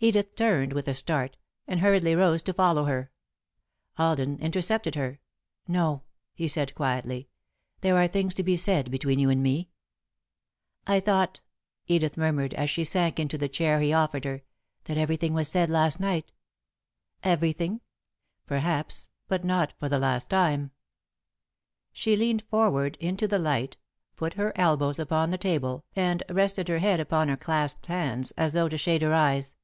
Edith turned, with a start, and hurriedly rose to follow her. Alden intercepted her. "No," he said, quietly. "There are things to be said between you and me." "I thought," Edith murmured, as she sank into the chair he offered her, "that everything was said last night." "Everything? Perhaps, but not for the last time." She leaned forward, into the light, put her elbows upon the table, and rested her head upon her clasped hands, as though to shade her eyes.